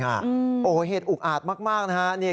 โอ้โหเหตุอุกอาจมากนะฮะ